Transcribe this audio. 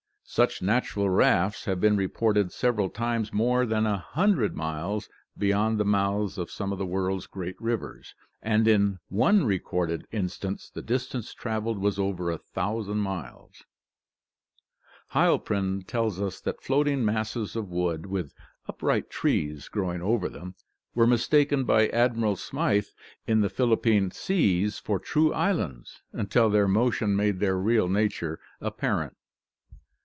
Such natural rafts have been reported several times more than a hundred miles beyond the mouths of some of the world's great rivers and in one recorded instance the distance traveled was over a thousand miles! Heil prin tells us that floating masses of wood, with upright trees grow ing over them, were mistaken by Admiral Smyth in the Philippine seas for true islands, until their motion made their real nature ap parent.